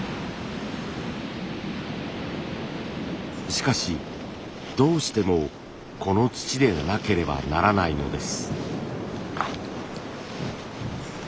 しかしどうしてもこの土でなければならないのです。